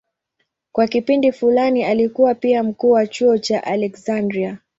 Kwa kipindi fulani alikuwa pia mkuu wa chuo cha Aleksandria.